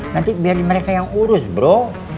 nanti biar mereka yang urus bro